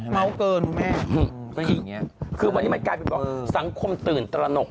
เมาเกินใช่ไหมคืออย่างนี้คือวันนี้มันกลายไปบอกสังคมตื่นตระหนก